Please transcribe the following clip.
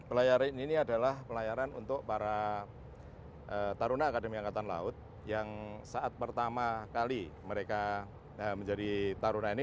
jadi pelayaran ini adalah pelayaran untuk para taruna akademi angkatan laut yang saat pertama kali mereka menjadi taruna ini